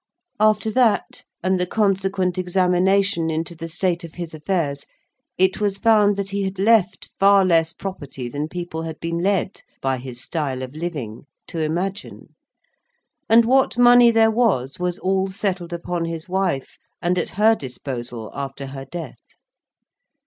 After that, and the consequent examination into the state of his affairs, it was found that he had left far less property than people had been led by his style of living to imagine; and, what money there was, was all settled upon his wife, and at her disposal after her death.